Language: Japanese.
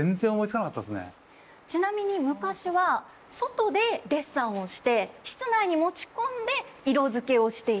うわっちなみに昔は外でデッサンをして室内に持ち込んで色づけをしていた。